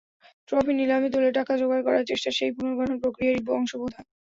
Trophy নিলামে তুলে টাকা জোগাড় করার চেষ্টা সেই পুনর্গঠনপ্রক্রিয়ারই অংশ বোধ হয়।